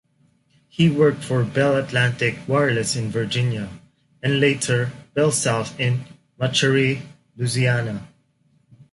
He worked for Bell Atlantic Wireless in Virginia and later BellSouth in Metairie, Louisiana.